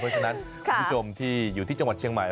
เพราะฉะนั้นคุณผู้ชมที่อยู่ที่จังหวัดเชียงใหม่